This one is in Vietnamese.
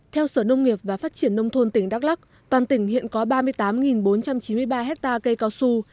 theo sở nông nghiệp và phát triển nông thôn tỉnh đắk lắc toàn tỉnh hiện có ba mươi tám bốn trăm chín mươi ba hectare cây cao su